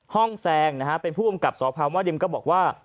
ห้องแซงนะฮะเป็นผู้กำกับสอบภัณฑ์ว่าดิมก็บอกว่า